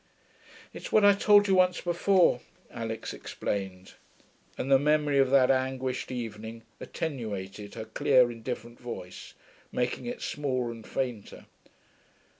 'It's what I told you once before,' Alix explained, and the memory of that anguished evening attenuated her clear, indifferent voice, making it smaller and fainter.